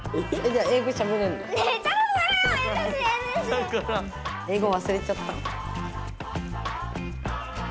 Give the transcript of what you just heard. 英語わすれちゃった？